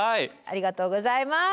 ありがとうございます。